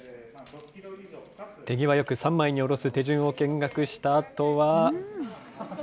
手際よく３枚におろす手順を見学したあとは。